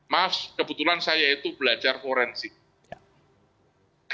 maaf kebetulan saya itu belajar forensik